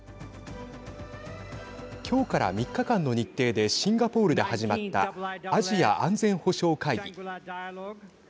きょうから３日間の日程でシンガポールで始まったアジア安全保障会議。